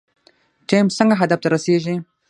ټیم څنګه هدف ته رسیږي؟